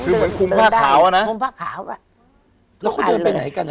คือเหมือนคุมผ้าขาวอ่ะนะคุมผ้าขาวอ่ะแล้วเขาเดินไปไหนกันอ่ะ